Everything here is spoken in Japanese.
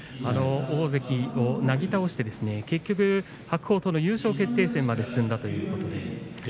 大関をなぎ倒して結局、白鵬との優勝決定戦まで進んだということで。